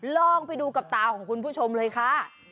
ลองไปดูกับตาของคุณผู้ชมเลยค่ะ